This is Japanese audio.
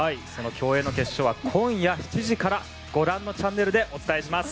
競泳の決勝は今夜７時からご覧のチャンネルでお伝えします。